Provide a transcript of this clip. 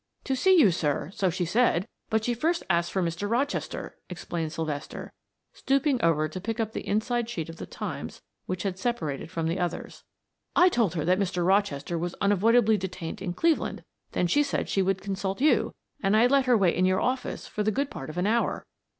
"To see you, sir, so she said, but she first asked for Mr. Rochester," explained Sylvester, stooping over to pick up the inside sheet of the Times which had separated from the others. "I told her that Mr. Rochester was unavoidably detained in Cleveland; then she said she would consult you and I let her wait in your office for the good part of an hour."